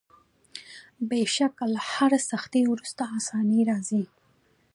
بېشکه له هري سختۍ وروسته آساني راځي.